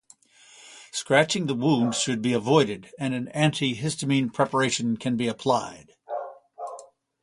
Scratching the wound should be avoided and an antihistamine preparation can be applied.